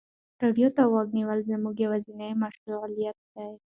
راډیو ته غوږ نیول زما یوازینی مشغولتیا ده.